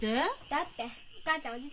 だってお母ちゃんおじ